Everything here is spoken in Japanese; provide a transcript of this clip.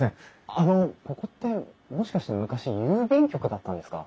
あのここってもしかして昔郵便局だったんですか？